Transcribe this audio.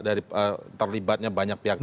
dari terlibatnya banyak pihak